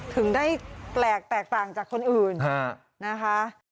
ถึงได้แปลกแตกต่างจากคนอื่นนะคะ